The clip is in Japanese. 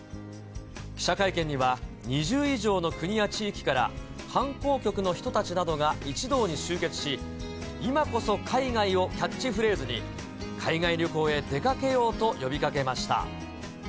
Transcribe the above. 記者会見には、２０以上の国や地域から、観光局の人たちなどが一堂に集結し、今こそ海外！をキャッチフレーズに、海外旅行へ出かけようと呼びかけました。